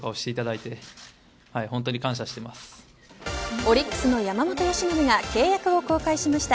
オリックスの山本由伸が契約を更改しました。